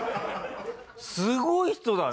すごい人だね！